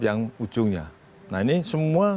yang ujungnya nah ini semua